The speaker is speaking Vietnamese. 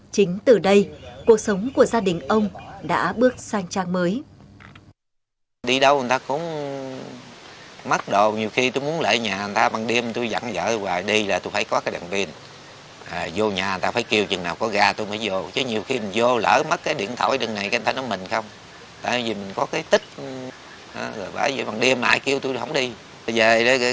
chính từ đây cuộc sống của gia đình ông đã bước sang trang mới